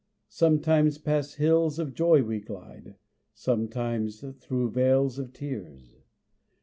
Sometimes past hills of joy we glide, Sometimes through vales of tears.